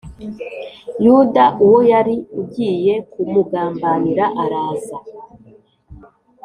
Yuda uwo wari ugiye kumugambanira araza